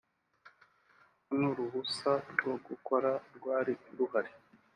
kuko n’uruhusa rwo gukora rwari ruhari